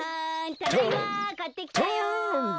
ただいまかってきたよ。